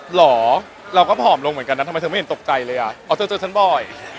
เหรอเราก็ผอมลงเหมือนกันนะทำไมเธอไม่เห็นตกใจเลยอ่ะอ๋อเธอเจอฉันบ่อย